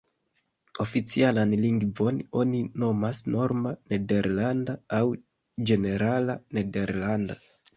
La oficialan lingvon oni nomas Norma Nederlanda, aŭ Ĝenerala Nederlanda.